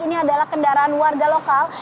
ini adalah kendaraan warga lokal